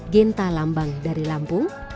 genta lambang dari lampung